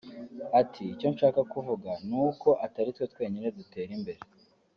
Ati “Icyo nshaka kuvuga ni uko atari twe twenyine dutera imbere